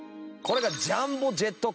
これがね。